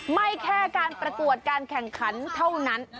ไม่แค่การประกวดการแข่งขันเท่านั้น